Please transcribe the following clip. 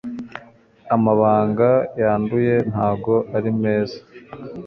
amabanga yanduye ntago ari meza